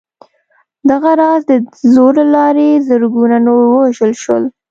دغه راز د زور له لارې زرګونه نور ووژل شول